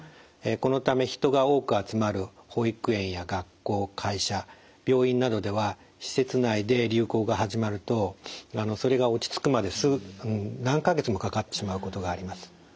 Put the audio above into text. このため人が多く集まる保育園や学校会社病院などでは施設内で流行が始まるとそれが落ち着くまで何か月もかかってしまうことがあります。